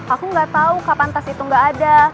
aku gak tau kapan tas itu gak ada